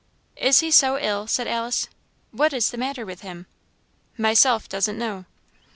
"Is he so ill?" said Alice; "what is the matter with him?" "Myself doesn't know."